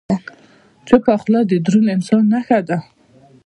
چپه خوله، د دروند انسان نښه ده.